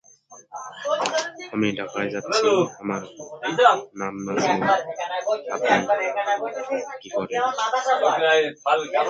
আমরা নতুন একটা খুঁজে বের করবো।